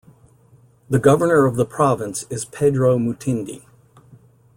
The governor of the province is Pedro Mutindi.